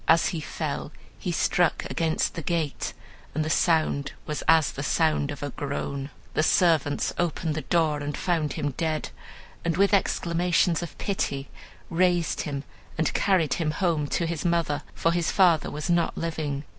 As he fell he struck against the gate, and the sound was as the sound of a groan. The servants opened the door and found him dead, and with exclamations of pity raised him and carried him home to his mother, for his father was not living.